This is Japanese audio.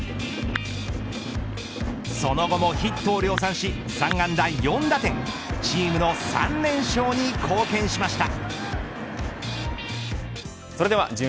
その後もヒットを量産し３安打４打点チームの３連勝に貢献しました。